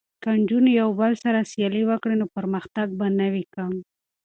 که نجونې یو بل سره سیالي وکړي نو پرمختګ به نه وي کم.